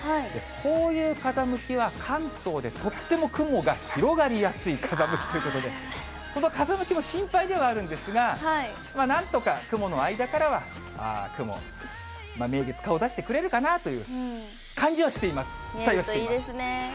こういう風向きは、関東でとっても雲が広がりやすい風向きということで、この風向きも心配ではあるんですが、なんとか雲の間からは名月、顔を出してくれるかなという感じはしています、期待をしています。